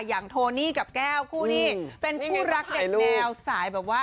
โทนี่กับแก้วคู่นี้เป็นคู่รักเด็กแนวสายแบบว่า